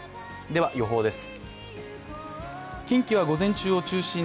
では予報です。